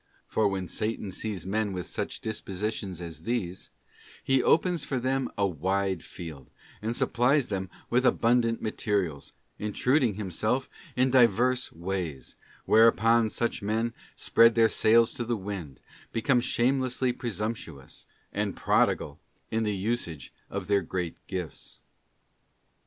For when Satan sees men with such dispositions as these; he opens for them a wide field, and supplies them with abundant materials, intruding himself in diverse ways: whereupon such men spread their sails to the wind, become shamelessly presumptuous, and pro digal in the usage of their great gifts.